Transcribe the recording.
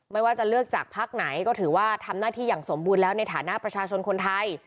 ไม่ว่าจะเลือกจากพักไหนก็ถือว่าทำหน้าที่อย่างสมบูรณ์แล้วในฐานะประชาชนคนไทย